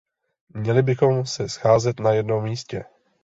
Měli bychom se scházet na jednom místě.